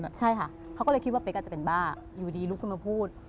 ใช่ค่ะเขาก็เลยคิดว่าเป๊กอาจจะเป็นบ้าอยู่ดีลุกขึ้นมาพูด